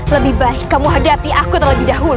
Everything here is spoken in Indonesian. lebih baik kamu hadapi aku terlebih dahulu